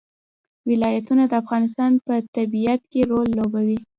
ولایتونه د افغانستان په طبیعت کې رول لوبوي.